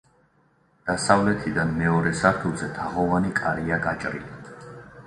დასავლეთიდან მეორე სართულზე თაღოვანი კარია გაჭრილი.